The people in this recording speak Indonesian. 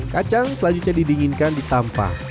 kacang selanjutnya didinginkan di tampak